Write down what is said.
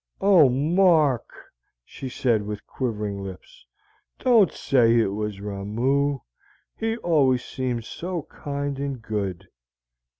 "Oh, Mark," she said, with quivering lips, "don't say it was Ramoo. He always seemed so kind and good."